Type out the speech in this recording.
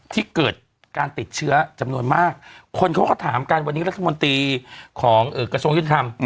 ที่เกิดการติดเชื้อจำนวนมากคนเขาก็ถามกันวันนี้รัฐมนตรีของกระทรวงยุติธรรม